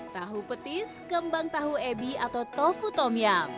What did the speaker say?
tahu petis kembang tahu ebi atau tofu tomiam